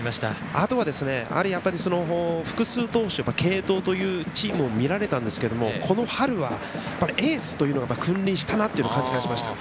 あとは、複数投手継投というチームも見られたんですけどこの春は、エースというのが君臨したなという感じがしました。